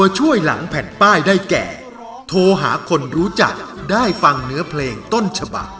ช่วยหลังแผ่นป้ายได้แก่โทรหาคนรู้จักได้ฟังเนื้อเพลงต้นฉบัก